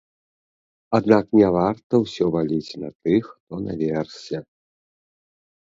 Аднак не варта ўсё валіць на тых, хто наверсе.